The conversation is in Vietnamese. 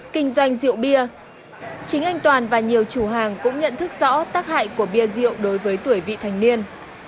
kinh doanh rượu bia chính anh toàn và nhiều chủ hàng cũng nhận thức rõ tác hại của bia rượu đối với tuổi vị thành niên